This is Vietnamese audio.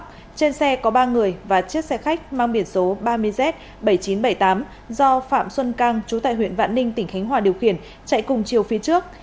trên xe có ba người và chiếc xe khách mang biển số ba mươi z bảy nghìn chín trăm bảy mươi tám do phạm xuân cang chú tại huyện vạn ninh tỉnh khánh hòa điều khiển chạy cùng chiều phía trước